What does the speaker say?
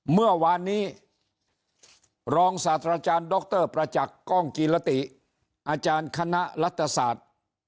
เมื่อวานนี้รองศาสตราจารย์ดรประจักษ์กล้องกีรติอาจารย์คณะรัฐศาสตร์